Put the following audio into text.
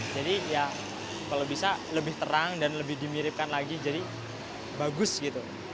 jadi ya kalau bisa lebih terang dan lebih dimiripkan lagi jadi bagus gitu